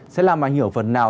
sẽ làm mà hiểu phần nào